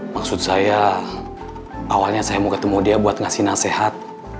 maksud saya awalnya saya mau ketemu dia buat ngasih nasihat